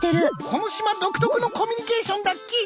この島独特のコミュニケーションだっキ。